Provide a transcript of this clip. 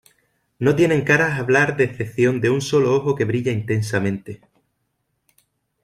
No tienen caras hablar de excepción de un solo ojo que brilla intensamente.